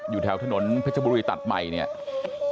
อยู่แถวถนนพระชบุรีตัดใหม่ครับ